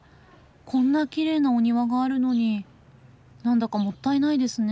こんなきれいなお庭があるのに何だかもったいないですね。